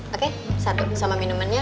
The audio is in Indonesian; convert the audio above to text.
oke satu sama minuman nya